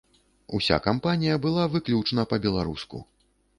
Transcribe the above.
Уся кампанія была выключна па-беларуску.